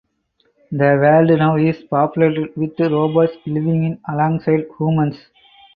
The world now is populated with robots living alongside humans.